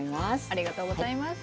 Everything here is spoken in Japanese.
ありがとうございます。